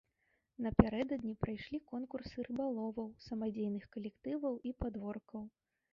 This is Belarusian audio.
Напярэдадні прайшлі конкурсы рыбаловаў, самадзейных калектываў і падворкаў.